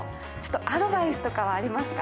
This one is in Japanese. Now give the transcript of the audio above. アドバイスとかはありますか？